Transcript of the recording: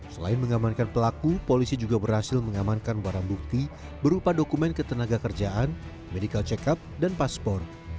selain mengamankan pelaku polisi juga berhasil mengamankan barang bukti berupa dokumen ketenaga kerjaan medical check up dan paspor